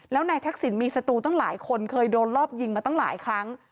แล้วนายทักษิณมีสตูตั้งหลายคนเคยโดนรอบยิงมาตั้งหลายครั้ง